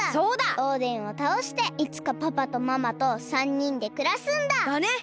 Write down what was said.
オーデンをたおしていつかパパとママと３にんでくらすんだ！だね！